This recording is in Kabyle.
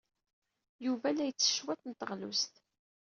Yuba la yettess cwiṭ n teɣlust.